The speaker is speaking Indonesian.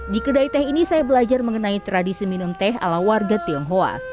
di kedai teh ini saya belajar mengenai tradisi minum teh ala warga tionghoa